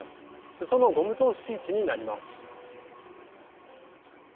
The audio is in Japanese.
すそのゴム通し位置になります。